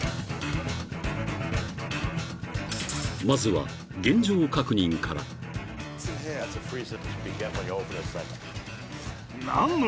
［まずは現状確認から］えっ！？